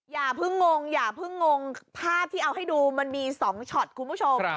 อย่าเพิ่งงงอย่าเพิ่งงงภาพที่เอาให้ดูมันมี๒ช็อตคุณผู้ชม